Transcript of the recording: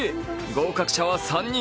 合格者は３人。